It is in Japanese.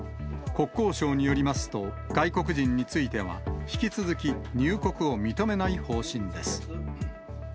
国交省によりますと、外国人については、引き続き入国を認めない方針です。